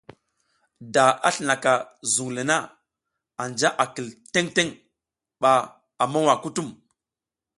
Da a slinaka zuŋ le na, anja a kil teŋ teŋ, ba a mowa kutum.